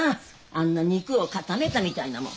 あんな肉を固めたみたいなもん。